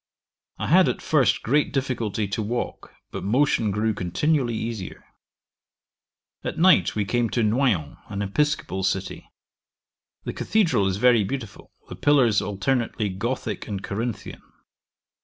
I had at first great difficulty to walk, but motion grew continually easier. At night we came to Noyon, an episcopal city. The cathedral is very beautiful, the pillars alternately gothick and Corinthian.